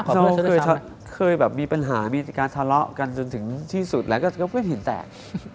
เคยมีปัญหามีการทะเลาะกันจนถึงที่สุดแล้วก็เพื่อนเห็นแตก